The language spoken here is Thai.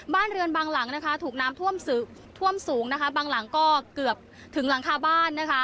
บ้านเรือนบางหลังนะคะถูกน้ำท่วมสูงนะคะบางหลังก็เกือบถึงหลังคาบ้านนะคะ